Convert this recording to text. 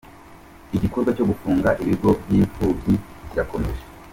Igikorwa cyo gufunga ibigo by’impfubyi kirakomeje